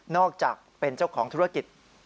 อกจากเป็นเจ้าของธุรกิจ